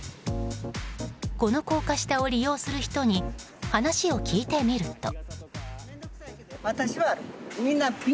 この高架下を利用する人に話を聞いてみると。